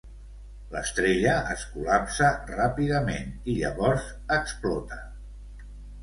L'estrella es col·lapsa ràpidament, i llavors explota.